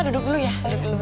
kok ada semuanya yang kaya